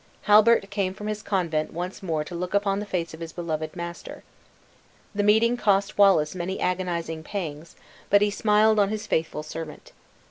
Halbert came from his convent once more to look upon the face of his beloved master. The meeting cost Wallace many agonizing pangs, but he smiled on his faithful servant.